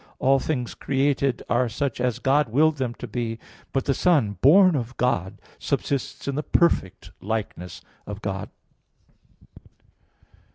All things created are such as God willed them to be; but the Son, born of God, subsists in the perfect likeness of God."